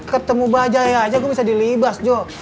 ketemu bajanya aja gue bisa dilibas jo